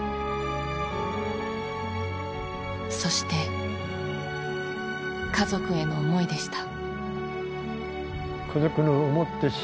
そして家族への思いでした。